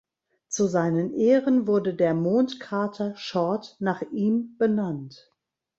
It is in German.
Zu seinen Ehren wurde der Mondkrater Short nach ihm benannt.